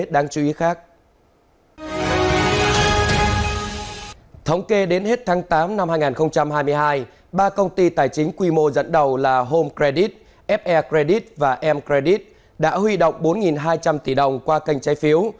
đến hết tháng tám năm hai nghìn hai mươi hai ba công ty tài chính quy mô dẫn đầu là home credit fe credit và m credit đã huy động bốn hai trăm linh tỷ đồng qua kênh trái phiếu